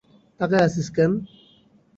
তাকায়া আছিস কেন?